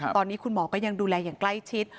ตอนนี้คุณหมอก็ยังดูแลอย่างใกล้ชิด